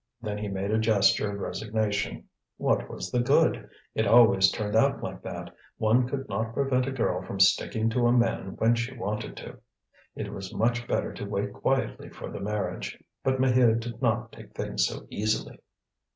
Then he made a gesture of resignation: what was the good? It always turned out like that; one could not prevent a girl from sticking to a man when she wanted to. It was much better to wait quietly for the marriage. But Maheude did not take things so easily.